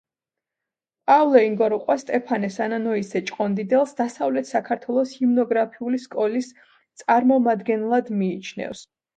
პავლე ინგოროყვა სტეფანე სანანოისძე ჭყონდიდელს დასავლეთ საქართველოს ჰიმნოგრაფიული სკოლის წარმომადგენლად მიიჩნევს.